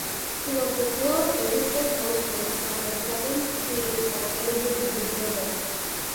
She was the third evicted housemate from the seventh series of "Celebrity Big Brother".